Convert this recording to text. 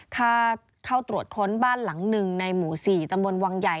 เข้าตรวจค้นบ้านหลังหนึ่งในหมู่๔ตำบลวังใหญ่